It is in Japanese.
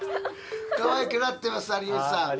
かわいくなってます有吉さん。